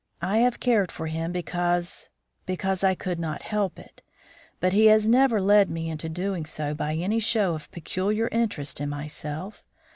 I have cared for him because because I could not help it. But he has never led me into doing so by any show of peculiar interest in myself.